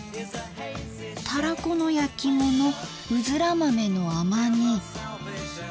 「たらこのやきものうづら豆の甘煮」。